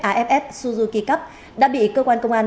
aff suzuki cup đã bị cơ quan công an